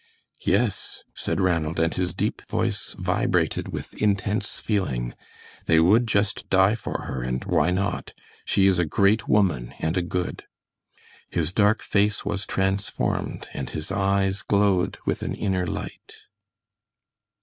"Yes," said Ranald, and his deep voice vibrated with intense feeling. "They would just die for her, and why not? She is a great woman and a good." His dark face was transformed, and his eyes glowed with an inner light.